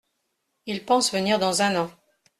Ils pensent venir dans un an.